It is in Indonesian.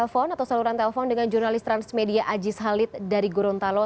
kita sudah terhubung lewat saluran telepon dengan jurnalis transmedia ajis halid dari gorontalo